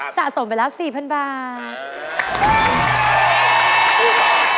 สะสมไปแล้ว๔๐๐๐บาท